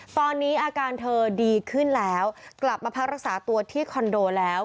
ตอนนี้อาการเธอดีขึ้นแล้วกลับมาพักรักษาตัวที่คอนโดแล้ว